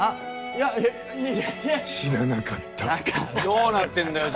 いやいや知らなかっただからどうなってんだよ